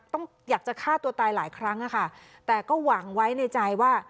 อยากจะฆ่าตัวตายหลายครั้งอะค่ะแต่ก็หวังไว้ในใจว่า